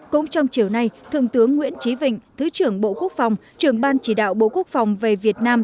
cũng trong chiều nay thượng tướng nguyễn trí vịnh thứ trưởng bộ quốc phòng trưởng ban chỉ đạo bộ quốc phòng về việt nam